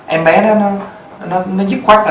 em bé đó nó dứt khoát là